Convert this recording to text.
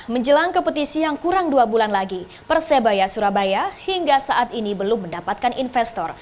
menjelang kompetisi yang kurang dua bulan lagi persebaya surabaya hingga saat ini belum mendapatkan investor